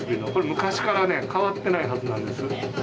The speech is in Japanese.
昔から変わってないはずなんです。